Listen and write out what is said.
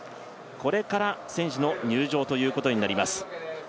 これから選手の入場ということになります。